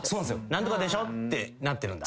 「何とかでしょう？」ってなってるんだ。